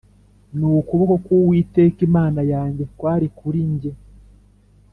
N ukuboko k uwiteka imana yanjye kwari kuri jye